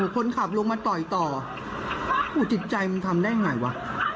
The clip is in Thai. คนขับลงมาต่อยต่อจิตใจมันทำได้ไงวะ